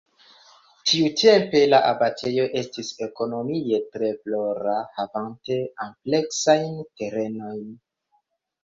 Tiutempe la abatejo estis ekonomie tre flora havante ampleksajn terenojn.